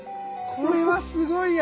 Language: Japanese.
これはすごいや。